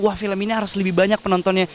wah film ini harus lebih banyak penontonnya